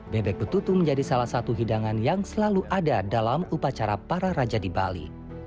bebek betutu menjadi salah satu hidangan yang selalu ada dalam upacara para raja di bali